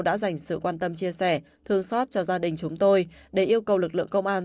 đã dành sự quan tâm chia sẻ thương xót cho gia đình chúng tôi để yêu cầu lực lượng công an